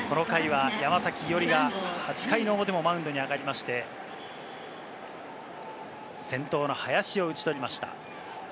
この回は山崎伊織は、８回表もマウンドに上がりまして、先頭の林を打ち取りました。